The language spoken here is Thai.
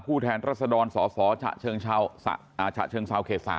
แทนรัศดรสสเชิงเซาเขต๓